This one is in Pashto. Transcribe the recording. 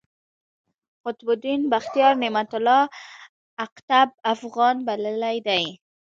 قطب الدین بختیار، نعمت الله اقطب افغان بللی دﺉ.